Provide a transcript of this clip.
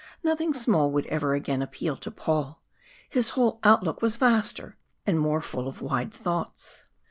Nothing small would ever again appeal to Paul. His whole outlook was vaster and more full of wide thoughts.